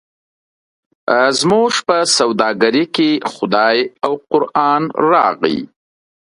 زموږ په سوداګرۍ کې خدای او قران راغی.